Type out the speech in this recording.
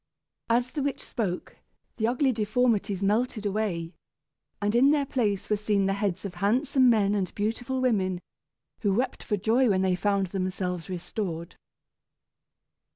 As the witch spoke, the ugly deformities melted away, and in their place were seen the heads of handsome men and beautiful women, who wept for joy when they found themselves restored.